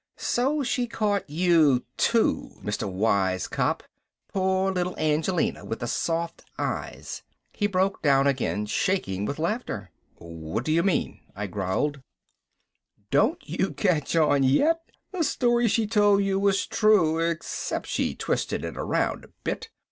"So she caught you, too, Mr. Wise cop, poor little Angelina with the soft eyes." He broke down again, shaking with laughter. "What do you mean," I growled. "Don't you catch yet? The story she told you was true except she twisted it around a bit.